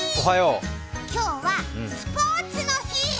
今日はスポーツの日。